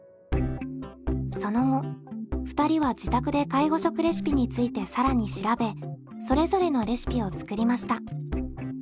その後２人は自宅で介護食レシピについて更に調べそれぞれのレシピを作りました。